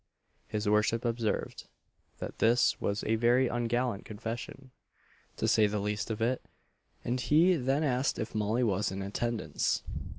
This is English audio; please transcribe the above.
His worship observed, that this was a very ungallant confession to say the least of it; and he then asked if Molly was in attendance.